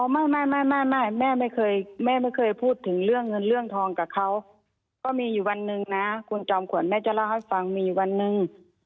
ไม่แม่ไม่เคยแม่ไม่เคยพูดถึงเรื่องเงินเรื่องทองกับเขาก็มีอยู่วันหนึ่งนะคุณจอมขวัญแม่จะเล่าให้ฟังมีวันหนึ่ง